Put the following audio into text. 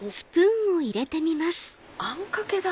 あんかけだ。